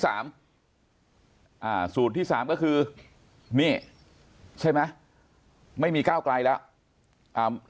สูตรที่สามก็คือนี่ใช่ไหมไม่มีก้าวไกลแล้วอ่า